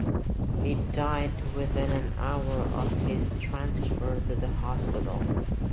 He died within an hour of his transfer to the hospital.